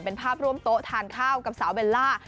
เป็นภาพร่วมโต๊ะทานข้าวกับสาวเบลล่า